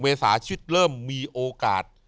เมษาชิตเริ่มมีโอกาส